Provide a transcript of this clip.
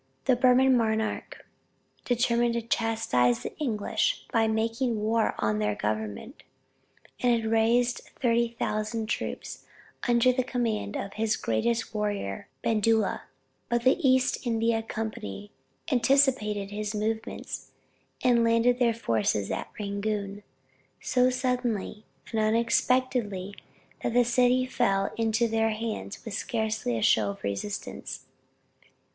The Burman monarch determined to chastise the English by making war on their government, and had raised thirty thousand troops under the command of his greatest warrior Bandula; but the East India Company anticipated his movements, and landed their forces at Rangoon so suddenly and unexpectedly, that the city fell into their hands with scarcely a show of resistance.